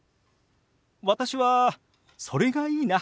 私はそれがいいな。